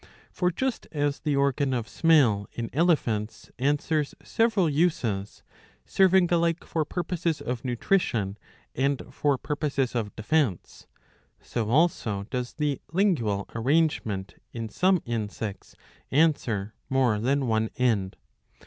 For just as the organ of smell in elephants ^^ answers several uses, serving alike for purposes of nutrition and for purposes of defence, so also does the lingual arrangement in some insects answer more than one end.